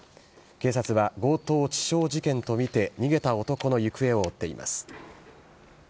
警察は強盗致傷事件と見て、逃げた男の行方を追っています。